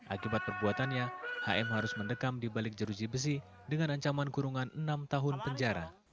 akibat perbuatannya hm harus mendekam di balik jeruji besi dengan ancaman kurungan enam tahun penjara